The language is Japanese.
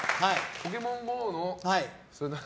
「ポケモンＧＯ」の？